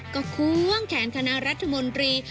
ก็ควงแขนคณะรัฐมนตรี